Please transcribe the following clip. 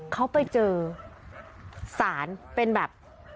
เขาไปเจอสารเป็นแบบ